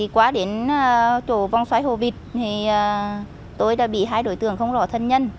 qua đến chỗ vòng xoáy hồ vịt tôi đã bị hai đối tượng không rõ thân nhân